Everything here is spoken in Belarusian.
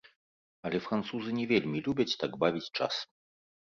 Але французы не вельмі любяць так бавіць час.